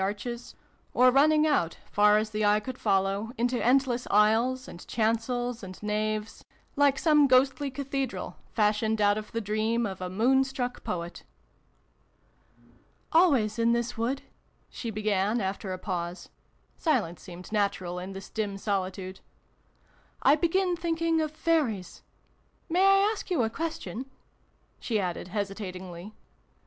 arches, or running out, far as the eye could follow, into endless aisles, and chancels, and naves, like some ghostly cathedral, fashioned out of the dream of a moon struck poet. "Always, in this wood," she began after a pause (silence seemed natural in this dim solitude), " I begin thinking of Fairies ! May I ask you a question ?" she added hesitatingly.